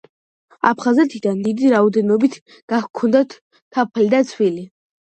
აფხაზეთიდან დიდი რაოდენობით გაჰქონდათ თაფლი და ცვილი.